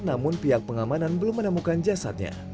namun pihak pengamanan belum menemukan jasadnya